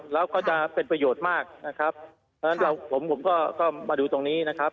แล้วก็จะเป็นประโยชน์มากนะครับนะครับแล้วผมผมก็ก็มาดูตรงนี้นะครับ